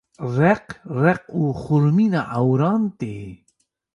req req û xurmîna ewran tê.